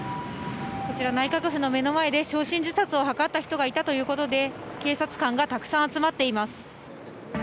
こちら内閣府の目の前で焼身自殺を図った人がいたということで警察官がたくさん集まっています。